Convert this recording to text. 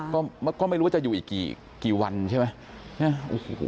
ก็ไม่รู้ว่าจะอยู่อีกกี่วันใช่ไหม